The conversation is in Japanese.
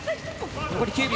残り９秒。